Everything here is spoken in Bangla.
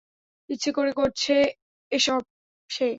ইচ্ছে করে করছে সে এসব?